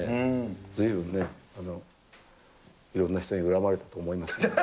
ずいぶんね、いろんな人に恨まれたと思いますよ。